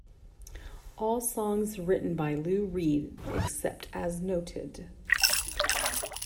All songs written by Lou Reed except as noted.